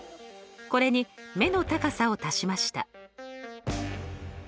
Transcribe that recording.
これに目の高さを足しました。